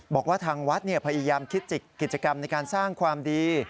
บอกว่าทางวัดพยายามคิดกิจกรรมในการสร้างความดี